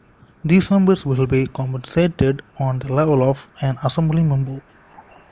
These members will be compensated on the level of an Assembly member.